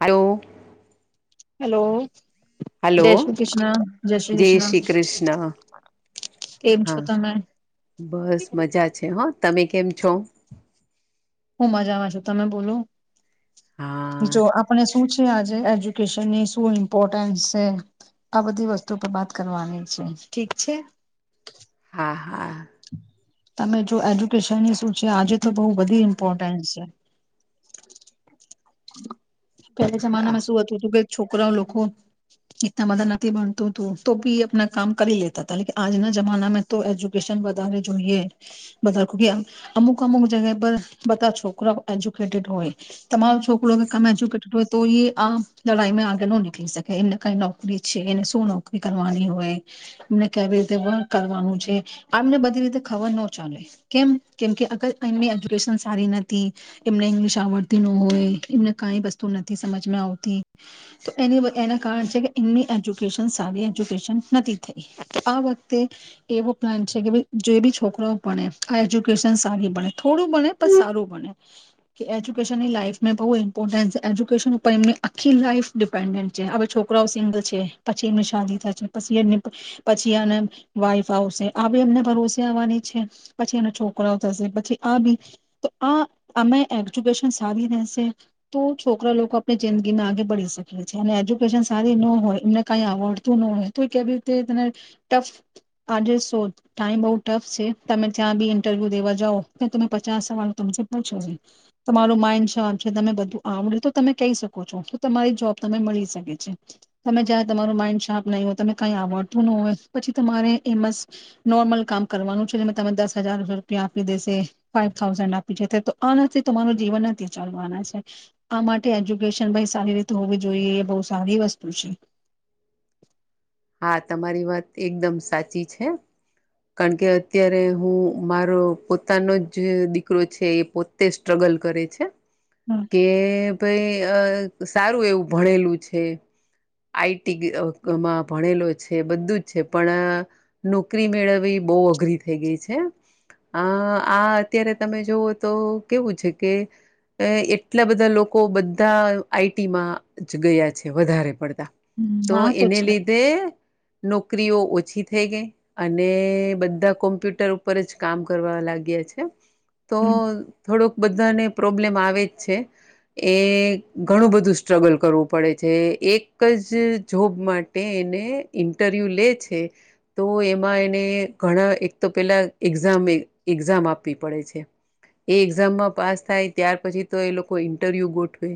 Hello hello hello જય શ્રી કૃષ્ણ જય કૃષ્ણ શ્રી કૃષ્ણ કેમ છો હા તમે બસ મજા છે હો તમે કેમ છો હું મજામાં છું તમે બોલું હા જો આપને શું છે આજે એજ્યુકેશનની શું ઇમ્પોર્ટન્સ છે આ બધી વસ્તુ પર વાત કરવાની છે ઠીક છે હા હા [inaudible] [inaudible] તમે જો એજ્યુકેશનની શું છે આજે તો બહુ બધી ઇમ્પોર્ટન્સ છે [inaudible] [inaudible] પેલા હા જમાનામાં શું હતું જુકે છોકરાઓ લોકો ઇટલા બઘાં નથી ભળતું તું તો બી આપના કામ કરી લેતા હતા લ આજના જમાના તો એજ્યુકેશન વધારે જોઈએ વધારે અમુક અમુક જગ્યા પર બધા છોકરા એજ્યુકેટેડ હોય તમારું છોક થોડુ કમ એજ્યુકેટેડ હોય તો એ આ લડાઈમાં આગળ ન નીકળી શકે એમને કઈ નોકરી છે એને શું નોકરી કરવાની હોય એમને કેવી રીતે વર્ક કરવાનું છે આ એમને બધી રીતે ખબર ન ચાલે કેમ કેમ કે અગર એમની એજ્યુકેશન સારી નથી એમને ઈંગ્લિશ આવડતી નો હોય એમને કંઈ વસ્તુ નથી સમજમાં આવતી તો એની એના કારણ છે કે એમની એજ્યુકેશન સારી એજ્યુકેશન નથી થઈ આ વખતે એવો પ્લાન છે કે ભ જે બી છોકરાઓ ભણે આ એજ્યુકેશન સારી બણે થોડું બણે પણ સારું બણે કે એજ્યુકેશનની લાઈફ બહુ ઇમ્પોર્ટન્ટ એજ્યુકેશન ઉપર એમની આખી લાઈઇફ ડિપેન્ડન્ટ છે હવે છોકરાઓ સિંગલ છે પછી એમની શાદી થાય છે પછી એમની પછી આને વાઈફ આવશે આ બી એમને ભરોસે આવવાની છે પછી એના છોકરાઓ થશે પછી આ બી તો આ અમે એજ્યુકેશન સારી રહેશે તો છોકરા લોકો આપની જિંદગીમાં આગે બળી શકી છે અને એજ્યુકેશન સારી ન હોય એમને કઈ આવડતું ન હોય તો કેવી રીતે તને ટફ આજો ટાઈમ બઉુ ટફ છે તમે ત્યાં બી ઇન્ટરવ્યુ દેવા જાવ ત્યા તમે પચાસ સવાનું તમે હછો ન તમારું માઇન્ડ શદ તમે બધું આવડે તો તમે કહી શકો છો તો તમારી જોબ તમે મળી શકે છે તમે જ તમારું માઈન્ડ શાર્પ નહીં હોય તમે કઈ આવડતું ન હોય પછી તમારે એ મસ્ નોર્મલ કામ કરવાનું છે જે તમે દસ હજાર રૂપિયા આપી દેશે ફાઈવ થાઉઝન્ડ આપી જ તો આનાથી તમારું જીવન અ આ માટે એજ્યુકેશન સારી રીતે હોવી જોઈએ એ બહ સારી વસ્તુ છે હા તમારી વાત એકદમ સાચી છે કારણ કે અત્યારે હું મારો પોતાનો જ જે દીકરો છે એ પોતે સ્ટ્રગલ કરે છે હમ કે ભઈ સારું એવું ભણેલું છે આઈટીમાં ભણેલો છે બધું જ છે પણ નોકરી મેળવી બહુ અઘરી થઈ ગઈ છે આ આ અત્યારે તમે જોવ તો કેવું છે કે એટલા બધા લોકો બધા આઈટીમાં જ ગયા છે વધારે પડતા હમ હા તો એને છે લીધે નોકરીઓ ઓછી થઈ ગઈ અને બધા કોમ્પ્યુટર ઉપર જ કામ કરવા લાગ્યા છે તો હમ. થોડોક બધાને પ્રોબ્લેમ આવે જ છે એ ઘણું બધું સ્ટ્રગલ કરવું પડે છે એક જ જોબ માટે એને ઇન્ટરવ્યૂ લે છે તો એમાં એને ઘણા એક તો પેલા એક્ઝામ એક્ઝામ આપવી પડે છે એ એક્ઝામમાં પાસ થાય ત્યાર પછી તો એ લોકો ઇન્ટરવ્યુ ગોઠવે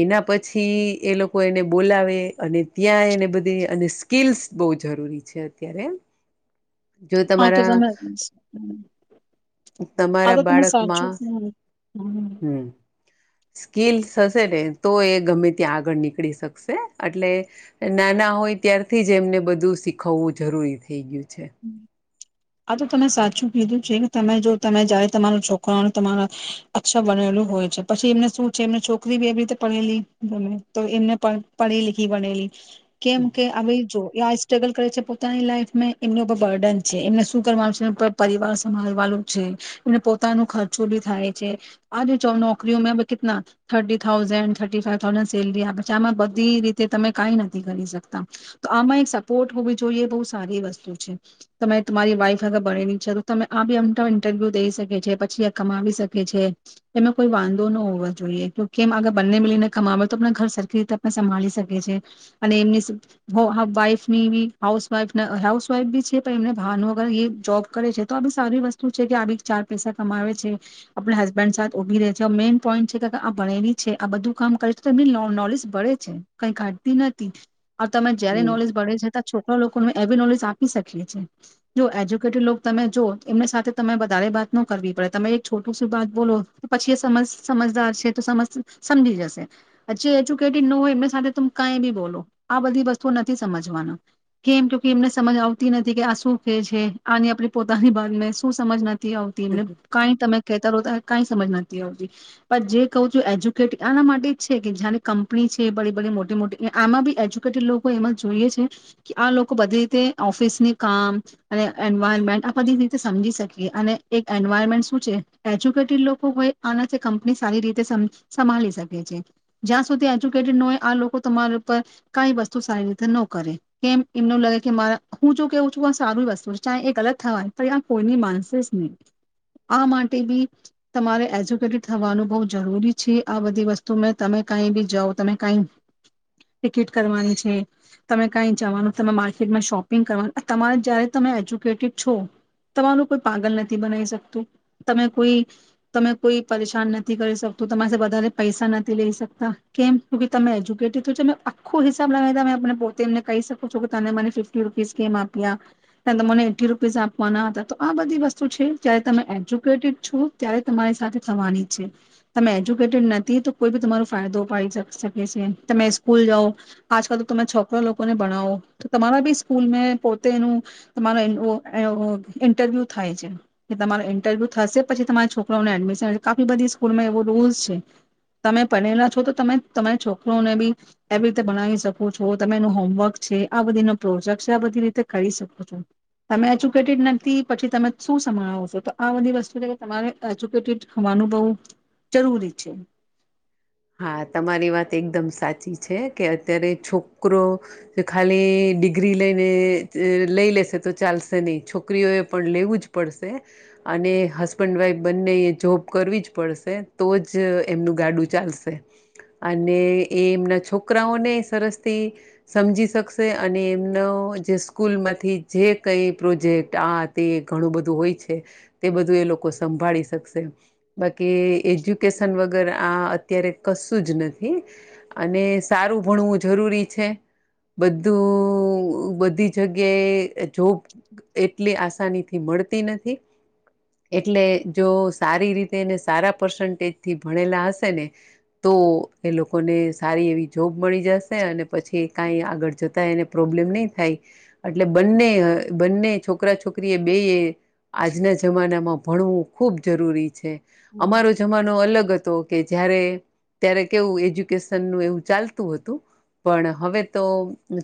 એના પછી એ લોકો એને બોલાવે અને ત્યાં એને બધું અને સ્કીિલ્સ બહુ જરૂરી છે અત્યારે જો હા તો તમારા તમે આ તમારા તો તમે સાચું બાળકમાં હમ હમ સ્કીલસ હશે ને તો એ ગમે ત્યાં આગળ નીકળી શકશે એટલે નાના હોય ત્યારથી જ એમને બધું શીખવવું જરૂરી થઈ ગયું છે. હમ આ તો તમે સાચું કીધું છે ને તમે જો તમે જાય તમા છોકરાનું તમારા અક્ષર બનેલું હોય છે પછી એમને શું છે એમને છોકરી બી એવી રીતે પડેલી ગમે તો એમને પઢી લીખી ભનેલી કેમ કે અવે જો એ આસ સ્ટ્રગલ કરે છે પોતાની લાઈફમેં એમના પર બર્ડન છે એમને શું કરવાનું છે એ પરિવાર સંભળવાનું છે એમને પોતાનું ખર્ચો બી થાય છે આજ નોકરીઓ મેં કેટલા thirty thousand thirty five thousand salary આપે છે આમાં બધી રીતે તમે કઈ નથી કરી શકતા તો આમાં એક સપોર્ટ હોવવી જોઈએ બહુ સારી વસ્તુ છે છે તમે તમારી વાઈફ અગર ભનેલી છે તો તમે આ બીમ ઇન્ટરવ્યુ દઈ શકે છે પછી આ કમાવી શકે છે એમાં કોઈ વાંધો ન હોવો જોઈએ ક્યુંકી એમાં અગર બંને મલીને કમાવે તો ઘર સરખી રીતે પન સંભાળી શકે છે અને એમની વાઈફની બી હાઉસવાઈફ હઉ ફ બી છે એમને ભાવનું અગર એ જોબ કરે છે તો આ બી સારી વસ્તુ છે કે આ બી ચાર પૈસા કમાવે છે આપણા હસબેન્ડ સાથે ઉભી રહે છે મેઈન પોઈન્ટ છે કે આ ભણેલી છે આ બધું કામ કરે છે તો એમની નોલેજ ભળે છે કઈ કાઢતી નથી આ તમે જયારે હમ નોલેજ ભળે છે આ છો લોકો ને એ બી નોલેજ આપ શકીયે છીએ જો એજ્યુકેટેડ તમે જો એમને સાથે તમે વધારે વાત ન કરવી પડે તમે એક છોટુંશું બાત બોલો પછી એ સમજ સમજદાર છે તો સમજ સમજી જશે જે એજ્યુકેટેડ ન હોય એમને સાથે તમે કાઈ બી બોલો આ બધી વસ્તુ નથી સમજવાના કેમ કે એમને સમજ તી નથી કે આ શું કે છે આની આપણી પોતાની બાતને શું સમજ નથી આવતી એમને કં તમે કહેતા રહોતા કાંઈ સમજ નથી આવતી પણ જે કહું છું એજ્યુકેટ આના માટે જ છે કે જ્યારે કંપની છે બડી બડી મોટી મોટી આમાં બી એજ્યુકેટેડ લોકો એમાં જોઈએ છે કે આ લોકો બધી રીતે ઓફિસની કામ અને એન્વાયરમેન્ટ આ બધી રીતે સમજી શકીએ અને એક એન્વાયરમેન્ટ શું છે એજ્યુકેટેડ લોકો હોય આનાથી કંપની સારી રીતે સમ સમાલી શકે છે જ્યાં સુધી એજ્યુકેટેડ ન હોય આ લોકો તમારા ઉપર કઈ વસ્તુ સારી રીતે ન કરે કેમ એમને લાગે કે મારા હું જો કેવું છું આ સારું વસ્તુ ચાહે એ ગલત થવાય તો આ કોઈની માનસેસ નહી આ માટે બી તમારે એજ્યુકેટેડ થવાનું બહુ જરૂરી છે આ બધી વસ્તુમાં તમે કાંઈ બી જાઓ તમે કાઈ ટિકિટ કરવાની છે તમે કાઈ જવાનું તમે માર્કેટમાં શોપ પિંગ કરવા તમારે જ્યારે તમે એજ્યુકેટેડ છો તમારૂ કોઈ પાગલ નથી બનાવી શકતું તમે કોઈ તમે કોઈ પરેશાન નથી કરી શકતું તમારે વધારે પૈસા નથી લઈ સકતા કેમ કે તમે એજ્યુકેટેડ છો આખો હિસાબ લાવીતા ત પોતે એમને કહી શકો છો કે તમે મને ફફ ર [unintelligible] કેમ આપ ત તમને એ [unintelligible] રૂપીસ આપવા ના હતા તો આ બધી વસ્તુ છે જ્યારે તમે એજ્યુકેટેડ છો ત્યારે તમારી સાથે થવાની છે તમે એજ્યુકેટેડ નથી તો કોઈ બી તમારો ફાયદો ઉપાડી શકે છે તમે સ્કૂલ જાઓ આજકાલ તો તમે છોકરા લોકોને ભણાવો તો તમારા બી સ્કૂલ પોતે એનું તમારો એન ઓ એ ઓ ઈન્ટરવ્યુ થાય છે કે તમારો ઈન્ટરવ્યૂ થશે પછી તમારા છોકરાઓ ને એડમિશન કાફી બધી સ્કૂલમાં એવો રૂલ્સ છે તમે ભનેલા છો તો તમે તમારા છોકરોને બી એવી રીતે બનાવી શકો છો તમે એનું હોમવર્ક છે આ બધીના પ્રોજક આ બધી રીતે કરી શકો છો તમે એજ્યુકેટેડ નથી પછી તમે શું સમવાસો છો તો આ બધી વસ્તુ છે કે તમારે એજ્યુકેટેડ હોવાનું બઉ જરૂરી છે હા તમારી વાત એકદમ સાચી છે કે અત્યારે છોકરો ખાલી ડિગ્રી લઈને લઈ લેશે તો ચાલશે નહીં છોકરીઓએ પણ લેવું જ પડશે અને હસબન્ડ વાઈફ બંને જોબ કરવી જ પડશે તો જ એમનું ગાડું ચાલશે છે [unintelligible] અને એ એમના છોકરાઓને સરસથી સમજી શકશે અને એમનો જે સ્કૂલમાંથી જે કંઈ પ્રોજેક્ટ આ તે ઘણું બધું હોય છે તે બધું એ લોકો સંભાળી શકશે બાકી એજ્યુકેશન વગર આ અત્યારે કશું જ નથી અને સારું ભણવું જરૂરી છે બધું બધી જગ્યાએ જોબ એટલી આસાનીથી મળતી નથી એટલે જો સારી રીતે એને સારા પર્સન્ટેજથી ભણેલા હશે ને તો એ લોકોને સારી એવી જોબ મળી જશે અને પછી કાઈ આગળ જતા એને પ્રોબ્લેમ નહી થાય અટલે બંને બંને છોકરા છોકરી એ બેએ આજના જમાનામાં ભણવું ખૂબ જરૂરી છે હમ અમારો જમાનો અલગ હતો કે જ્યારે ત્યારે કેવું એજ્યુકેશનનું એવું ચાલતું હતું પણ હવે તો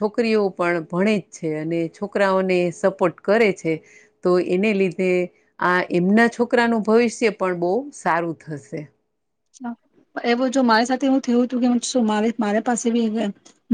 છોકરીઓ પણ ભણે જ છે અને છોકરાઓને સપોર્ટ કરે છે તો એને લીધે આ એમના છોકરાનું ભવિષ્ય પણ બહુ સારું થશે. એવું જો મારી સાથે હું થયું હતું કે શું માર મારે પાસે બી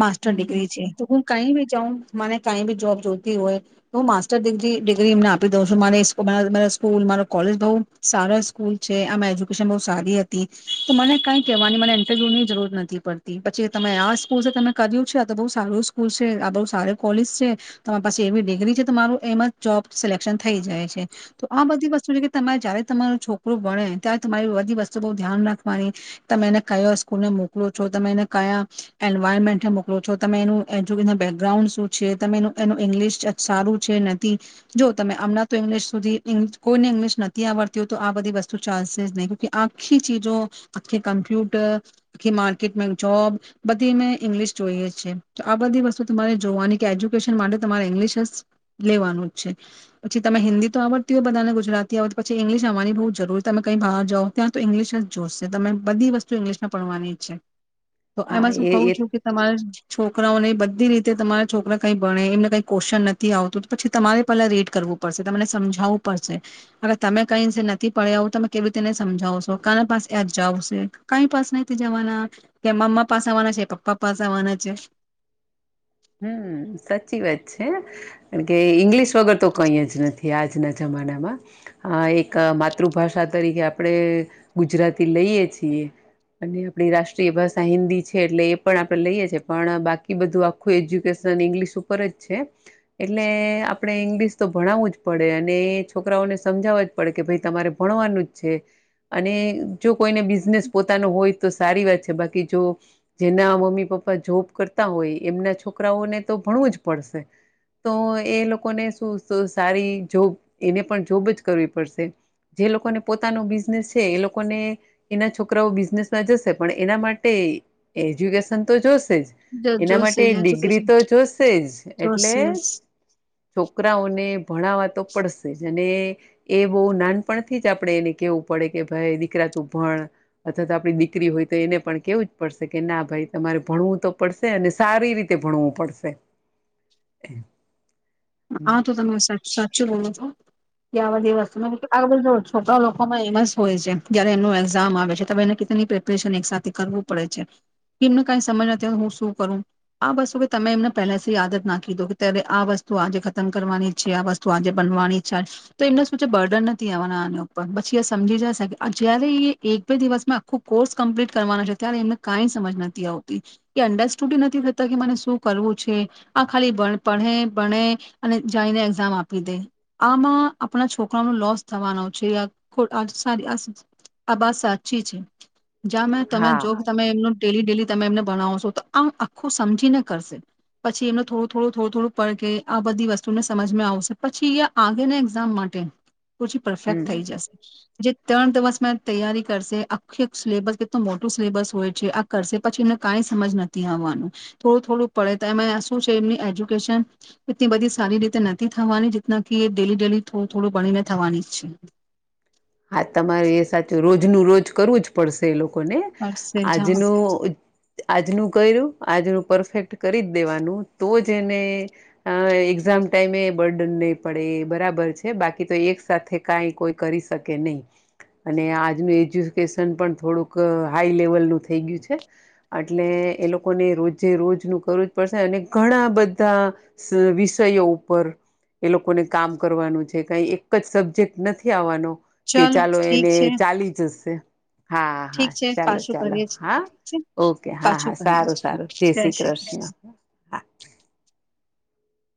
માસ્ટર ડિગ્રી છે તો હું કાઈ બી ચાઉં મારે કઈ બી જોબ જોતી હોય તો માસ્ટરિગ્રી ડિગ્રી એમને આપી દઉં છું [unintelligible] સ્કૂલ મારો કોલેજ બઉ સારા સ્કૂલ છે આમાં એજ્યુકેશન બઉ સારી હતી હતી તો મને કાઈ કેવાની મને ઈન્ટરવ્યુની જરૂરત નથી પડતી પછી તમે આ સ્કૂલ તમે કર્યું છે આ તો બહુ સારું સ્કૂલ છે આ બહુ સારુ કોલેજ છે તમારી પાસે એવી ડિગ્રી છે તો તમારું એમાં જોબ સિલેક્શન થઈ જાય છે તો આ બધી વસ્તુ છે તમાર જ્યારે તમાર છોકરો ભણે ત્યારે તમારી બધી વસ્તુ બ ધ્યાન રાખવાની તમે એને કયો સ્કૂલને મોકલો છો તમે એને કયા એન્વાયરમેન્ટને મોકલો છો તમે એનું એજ્યુકેશન બેકગ્રાઉન્ડ શું છે તમે એનું એનુ ઈંગ્લિશ સારું છે નથી જો તમે હમણાં તો ઈંગ્લિશ સુધી ઈંગ્લી કોઈને ઈંગ્લિશ નથી આવડતી હો તો આ બધી વસ્તુ ચાલશે જ નહીં તો આ આખી ચીજો આખી કમ્પ્યુટર આખી માર્કેટમાં જોબ બધી મે ઇંગ્લિશ જોઈએ છે તો આ બધી વસ્તુ તમારે જોવાની કે એજ્યુકેશન માંડે તમારે ઇંગ્લિશ લેવાનું જ છે પછી તમે હિન્દી તો આવડતી હોય બધાને ગુજરાતી આવડતી પછી ઇંગ્લિશ આવવાની બહુ જરૂરી છે તમે કઈ બહાર જાઓ ત્યાં તો ઇંગ્લિશ જ જોશે તમે બધી વસ્તુ ઇંગ્લિશમાં ભણવાની છે. તો હા એમાં શું એ કહું એ છું કે તમારે છોકરાઓને બધી રીતે તમારા છોકરા કઈ ભણે એમને કઈ કોશન નથી આવતું પછી તમારે પેલા રીડ કરવું પડશે તમને સમજાવવું પડશે અને તમે કઈ નથી પડે આવું તો તમે કેવી [unintelligible] આજ જાવશે કઈ પાસે ના જવાના કે મમ્મા પાસે આવવાના છે પપ્પા પાસે આવવાના છે હમ સાચી વાત છે કારણ કે ઈંગ્લિશ વગર તો કઈ જ નથી આજના જમાનામાં અ એક માતૃભાષા તરીકે આપણે ગુજરાતી લઈએ છીએ અને આપણી રાષ્ટ્રીય ભાષા હિન્દી છે એટલે એ પણ આપણે લઈએ છેએ પણ બાકી બધું આ આખું એજ્યુકેશન ઇંગ્લિશ ઉપર જ છે એટલે આપણે ઇંગ્લિશ તો ભણાવવું જ પડે અને છોકરાઓને સમજાવવા જ પડે કે ભાઈ તમારે ભણવાનું જ છે અને જો કોઈને બિઝનેસ પોતાનો હોય તો સારી વાત છે બાકી જો જેના મમ્મી પપ્પા જોબ કરતા હોય એમના છોકરાઓને તો ભણવું જ પડશે તો એ લોકોને શું સારી જોબ એને પણ જોબ જ કરવી પડશે જે લોકોને પોતાનો બિઝનેસ છે એ લોકોને એના છોકરાઓ બિઝનેસમાં જશે પણ એના માટે એજ્યુકેશન તો જોશે શે છે એના જોશે [unintelligible] ડિગ્રી એજ્યુકેશન તો જોશે જ એટલે જોશે છોકરાઓને ભણાવા તો પડશે જ અને એ બહુ નાનપણથી જ આપણે એને કેવું પડે કે ભાઈ દીકરા તું ભણ અથવા તો આપણી દીકરી હોય તો એને પણ કેવું જ પડશે કે ના ભાઈ તમારે ભણવું તો પડશે અને સારી રીતે ભણવું પડશે. હા તો તમે સાચું બોલો છો કે આ બધી વસ્તુ આ બધ છોકરા લોકોમાં એમસ હોય છે જયારે એમનું એક્ઝામ આવે છે તમે એને કેની પ્રિપેરેશન એક સાથે કરવું પડે છે એમને કઈ સમજ નથી હો તો હું શું કરું આ વસ્તુબી તમે એમને પહેલાથી જ ના કીધો કે ત્યારે આ વસ્તુ આજે ખતમ કરવાની છે આ વસ્તુ આજે બનવાની છે તો એમને શું છે બર્ડન નથી આવવાના આના ઉપર પછી એ સમજી જાયશે જયારે એ એક બે દિવસ આખું કોર્સ કમ્પ્લીટ કરવાનો છે ત્યારે એમને કાંઈ સમજ નથી આવતી એ અંડરસ્ટુડ નથી થતા કે મને શું કરવું છે આ ખાલી બાળપણ ભણે અને જઈને એક્ઝામ આપી દે આમાં આપણા છોકરાનો લોસ થવાનો છે આ બાત સાચી છે. જ્યા મે તમે હા જો તમે એમનું ડેલી ડેલી તમે એમને ભણાવસો છો તો આમ આખું સમજીને કરશે પછી એમને થોડું થોડું થોડું થોડું [unintelligible] આ બધી વસ્તુને સમજમાં આવશે પછી આગે ને એક્ઝામ માટે પછી પરફેક્ટ હમ થઈ જશે. જે ત્રણ દિવસ મે તૈયારી કરશે આખી સિલેબસ કેટલું મોટું સિલેબસ હોય છે આ કરશે પછી એમને કંઈ સમજ નથી આવવાનું થોડું થોડું પડે તો શું છે એમની એજ્યુકેશન એટલી બધી સારી રીતે નથી થવાની જેતના કે ડેલી ડેલી થોડું થોડું ભણીને થવાની છે. હા તમારે એ સાચું રોજ આજનું રોજ કરવું જ પડશે એ લોકો લોકોને કરશે જા આજનું આજનું કર્યું. આજનું પરફેક્ટ કરી જ દેવાનું તો જ એને એક્ઝામ ટાઈમે બર્ડન નહીં પડે એ બરાબર છે બાકી તો એક સાથે કાઈ કોઈ કરી શકે કે નહીં અને આજનું એજ્યુકેશન પણ થોડુંક હાઈ લેવલનું થઈ ગયું છે એટલે એ લોકોને રોજે રોજનું કરવું જ પડશે અને ઘણા બધા વિષયો ઉપર એ લોકોને કામ કરવાનું છે કંઈ એક જ સબ્જેક્ટ નથી આવવાનો. કે ચાલ ચાલો ઠીક એને છે. ચાલી જશે. હા ઠીક હા છે ચાલો પાછો ચાલો કરીએ હા ઠીક છે ઓકે હા પાછો હા કરીએ સારું સારું જય શ્રી કૃષ્ણ. હા